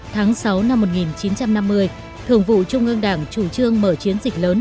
tháng sáu năm một nghìn chín trăm năm mươi thượng vụ trung ương đảng chủ trương mở chiến dịch lớn